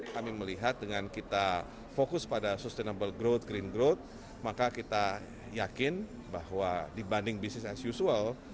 kami melihat dengan kita fokus pada sustainable growth green growth maka kita yakin bahwa dibanding business as usual